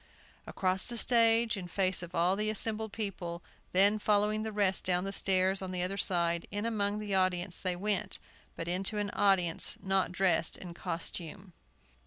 Across the stage, in face of all the assembled people, then following the rest down the stairs on the other side, in among the audience, they went; but into an audience not dressed in costume!